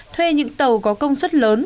thuê những tàu có công suất lớn